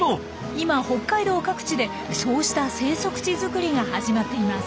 今北海道各地でそうした生息地づくりが始まっています。